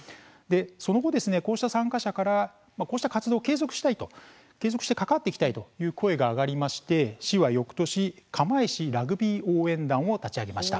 その後、こうした参加者からこうした活動を継続したい継続して関わっていきたいという声が上がりまして市はよくとし釜石ラグビー応援団を立ち上げました。